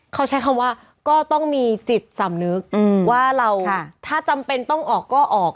เขาใช้คำว่าก็ต้องมีจิตสำนึกว่าเราถ้าจำเป็นต้องออกก็ออก